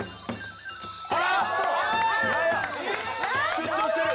出張してる。